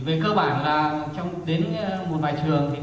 về cơ bản là đến một vài trường